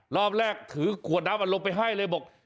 รอบแรกถือขวดน้ำอารมณ์ไปให้เลยบอก